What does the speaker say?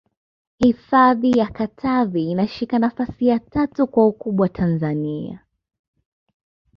hifadhi ya katavi inashika nafasi ya tatu kwa ukubwa tanzania